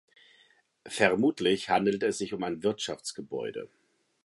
Vermutlich handelt es sich um ein Wirtschaftsgebäude.